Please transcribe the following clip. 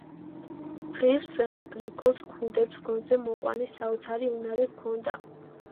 ღირს გრიგოლს ქურდების გონზე მოყვანის საოცარი უნარი ჰქონდა.